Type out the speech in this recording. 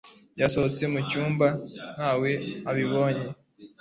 Yasohotse mu cyumba ntawe abibonye